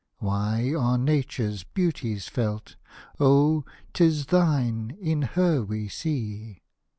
Why are Nature's beauties felt ? Oh ! 'tis thine in her we see